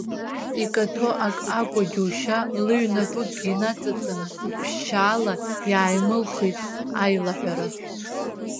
Икаҭәо акы акәу џьышьа, лыҩнапыкгьы наҵаҵаны, ԥшьшьала иааимылхит аилаҳәара.